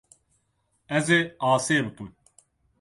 Ez ê asê bikim.